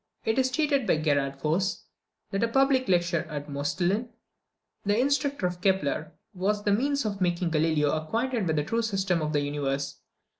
It is stated by Gerard Voss, that a public lecture of Moestlin, the instructor of Kepler, was the means of making Galileo acquainted with the true system of the universe.